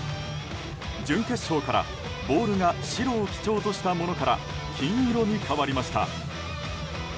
準決勝から、ボールが白を基調としたものから金色に変わりました。